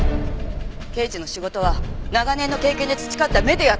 刑事の仕事は長年の経験で培った目でやってんの。